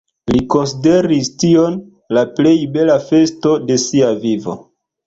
Li konsideris tion la plej bela festo de sia vivo.